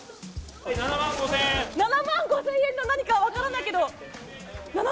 ７万５０００円の何か分からないけど。